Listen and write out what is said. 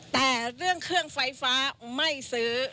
แต่เรื่องเครื่องไฟฟ้าไม่ซื้อ